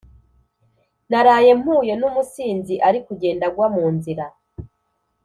Naraye mpuye numusinzi arikugenda agwa munzira